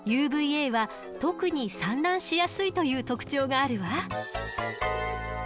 Ａは特に散乱しやすいという特徴があるわ。